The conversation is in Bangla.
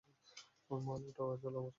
মাল উঠাও, আর চলো আমার সাথে।